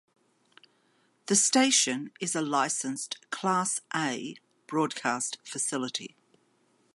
The station is a licensed "class A" broadcast facility.